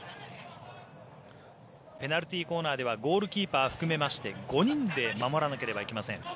ペナルティーコーナーではゴールキーパー含めまして５人で守らなければいけません。